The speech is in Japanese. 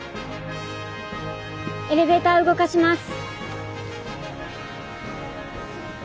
エレベータ動かします。